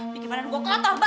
bikin pada nunggu kelotoh bau